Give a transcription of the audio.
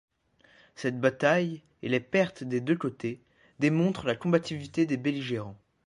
Cette bataille, et les pertes des deux côtés, démontrent la combativité des belligérants.